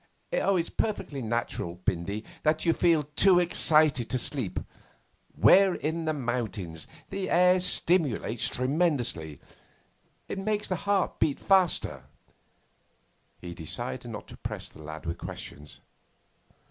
'It's perfectly natural, Bindy, that you feel too excited to sleep. We're in the mountains. The air stimulates tremendously it makes the heart beat faster.' He decided not to press the lad with questions.